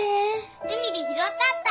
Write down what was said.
海で拾ったったい。